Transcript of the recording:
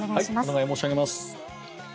お願い申し上げます。